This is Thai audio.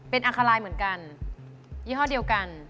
เป็นอัคลายเหมือนกันยี่ห้อเดียวกัน